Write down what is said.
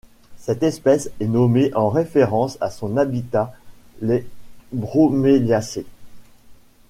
Cette espèce est nommée en référence à son habitat, les Broméliacées.